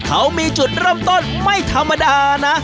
เขามีจุดเริ่มต้นไม่ธรรมดานะ